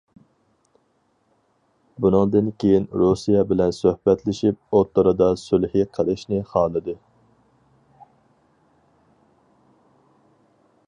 بۇنىڭدىن كىيىن رۇسىيە بىلەن سۆھبەتلىشىپ ئوتتۇرىدا سۈلھى قىلىشنى خالىدى.